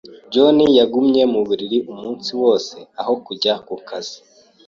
John yagumye mu buriri umunsi wose aho kujya ku kazi.